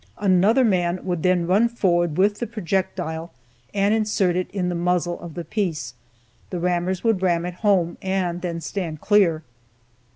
Another man would then run forward with the projectile and insert it in the muzzle of the piece, the rammers would ram it home, and then stand clear.